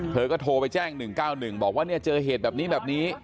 เธอก็โทรไปแจ้ง๑๙๑บอกว่าเนี่ยเจอเหตุแบบนี้แบบนี้